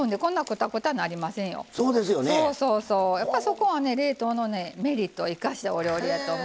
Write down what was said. そうそうそうやっぱそこはね冷凍のメリットを生かしたお料理やと思いますね。